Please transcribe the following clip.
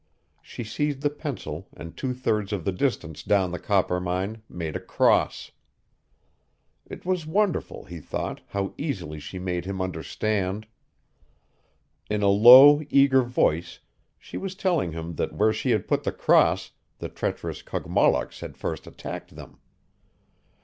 She seized the pencil and two thirds of the distance down the Coppermine made a cross. It was wonderful, he thought, how easily she made him understand. In a low, eager voice she was telling him that where she had put the cross the treacherous Kogmollocks had first attacked them.